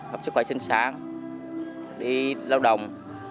học chức khỏe chính xác đi lao động